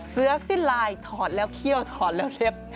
เสื้อสิ้นลายถอดแล้วเขี้ยวถอดแล้วเล็บ